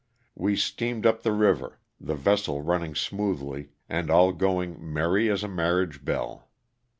We steamed up the river, the vessel running smoothly and all going ^' merry as a marriage bell."